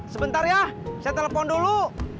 sebentar ya saya telepon dulu